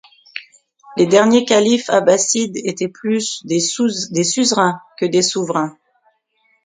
Les derniers califes abbassides étaient plus des suzerains que des souverains.